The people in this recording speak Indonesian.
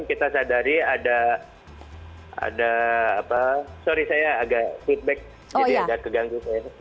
kita sadari ada apa sorry saya agak feedback jadi agak keganggu saya